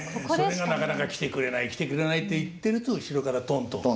「なかなか来てくれない来てくれない」って言ってると後ろからとんとん。